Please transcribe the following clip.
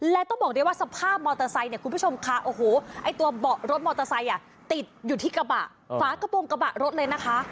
และต้องบอกได้ว่าสภาพมอเตอร์ไซค์เนี่ยคุณผู้ชมค่ะโอ้โหไอ้ตัวเบาะรถมอเตอร์ไซค์ติดอยู่ที่กระบะฝากระโปรงกระบะรถเลยนะคะ